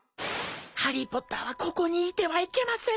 ハリー・ポッターはここにいてはいけません。